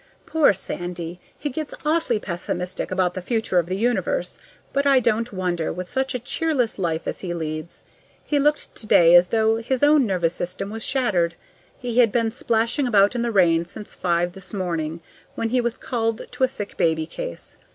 Poor Sandy! He gets awfully pessimistic about the future of the universe; but I don't wonder, with such a cheerless life as he leads. He looked today as though his own nervous system was shattered. He had been splashing about in the rain since five this morning, when he was called to a sick baby case.